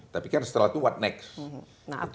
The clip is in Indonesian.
tapi kan setelah itu what next